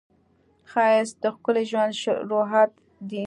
ښایست د ښکلي ژوند شروعات دی